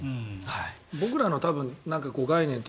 僕らの概念と。